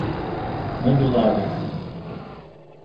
modulados